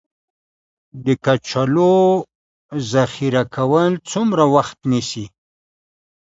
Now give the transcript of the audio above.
د کچالو ذخیره کول څومره وخت نیسي؟